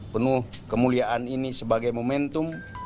penuh kemuliaan ini sebagai momentum